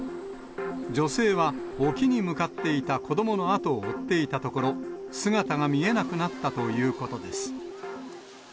女性は、沖に向かっていた子どもの後を追っていたところ、姿が見えなくなったということです。